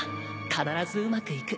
必ずうまくいく